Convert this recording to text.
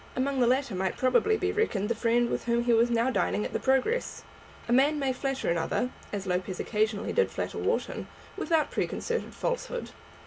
Among the latter might probably be reckoned the friend with whom he was now dining at the Progress. A man may flatter another, as Lopez occasionally did flatter Wharton, without preconcerted falsehood.